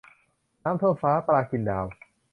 น้ำท่วมฟ้า ปลากินดาว